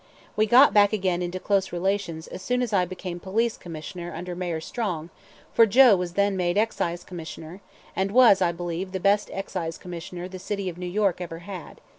We got back again into close relations as soon as I became Police Commissioner under Mayor Strong, for Joe was then made Excise Commissioner, and was, I believe, the best Excise Commissioner the city of New York ever had.